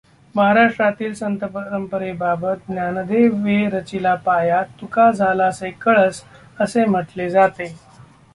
महाराष्ट्रातील संतपरंपरेबाबत ज्ञानदेवे रचिला पाया, तुका झालासे कळस असे म्हटले जाते.